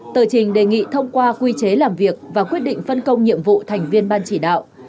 tờ trình đề nghị thông qua quy chế làm việc và quyết định phân công nhiệm vụ thành viên ban chỉ đạo